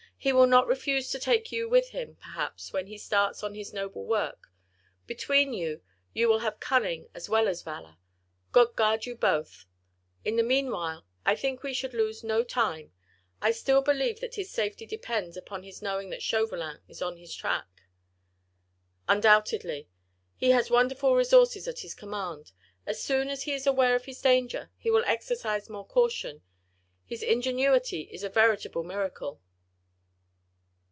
He will not refuse to take you with him, perhaps, when he starts on his noble work; between you, you will have cunning as well as valour! God guard you both! In the meanwhile I think we should lose no time. I still believe that his safety depends upon his knowing that Chauvelin is on his track." "Undoubtedly. He has wonderful resources at his command. As soon as he is aware of his danger he will exercise more caution: his ingenuity is a veritable miracle."